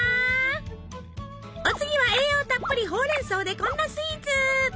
お次は栄養たっぷりほうれん草でこんなスイーツ。